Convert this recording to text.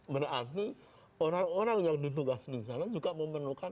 berarti orang orang yang ditugaskan di sana juga memerlukan